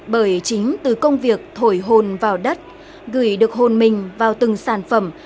bởi chính từ công việc thổi hồn vào đất gửi được hồn mình vào từng sản phẩm